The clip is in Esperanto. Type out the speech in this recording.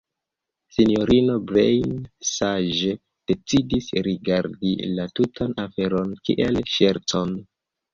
Sinjorino Breine saĝe decidis rigardi la tutan aferon kiel ŝercon.